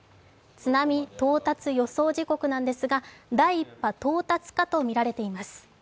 津波到達予想時刻なんですが第１波到達かとみられています。